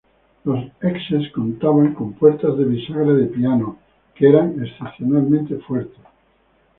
Los Essex contaba con "puertas de bisagra de piano" que eran excepcionalmente fuertes.